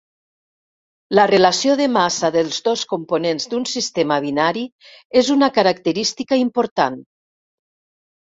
La relació de massa dels dos components d'un sistema binari és una característica important.